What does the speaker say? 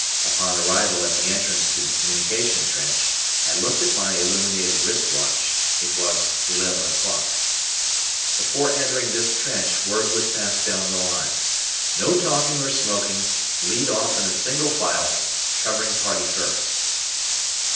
Upon arrival at the entrance to the communication trench, I looked at my illuminated wrist watch it was eleven o'clock. Before entering this trench, word was passed down the line, "no talking or smoking, lead off in single file, covering party first."